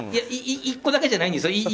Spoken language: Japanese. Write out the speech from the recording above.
１個だけじゃないんですよ。